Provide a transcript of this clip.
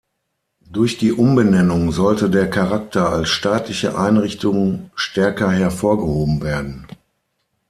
Durch die Umbenennung sollte der Charakter als staatliche Einrichtung stärker hervorgehoben werden.